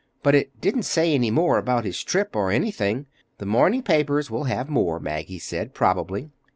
But it didn't say any more about his trip, or anything. The morning papers will have more, Maggie said, probably."